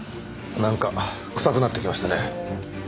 なんか臭くなってきましたね。